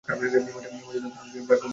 মাছুদার ধারণা ছিলো ব্যাপারটা সেরকমই হবে।